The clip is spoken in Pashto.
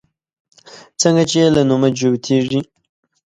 څنگه چې يې له نومه جوتېږي